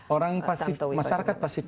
orang pasif masyarakat pasif